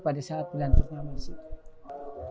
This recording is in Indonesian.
pada saat bulan berpamah disitu